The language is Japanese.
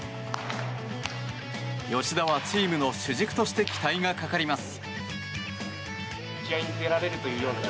吉田はチームの主軸として期待がかかります。